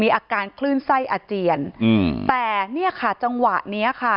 มีอาการคลื่นไส้อเจียนแต่นี่ค่ะจังหวะนี้ค่ะ